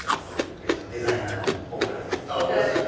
うちのデザイナーの大倉です。